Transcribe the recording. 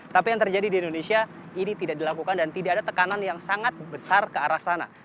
tapi yang terjadi di indonesia ini tidak dilakukan dan tidak ada tekanan yang sangat besar ke arah sana